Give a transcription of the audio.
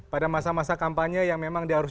pada masa masa kampanye yang memang dia harus